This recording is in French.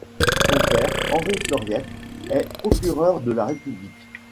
Son père, Henri Floriet, est procureur de la République.